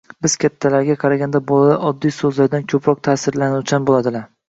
Biz, kattalarga qaraganda bolalar oddiy so‘zlardan ko‘proq ta’sirlanuvchan bo‘ladilar.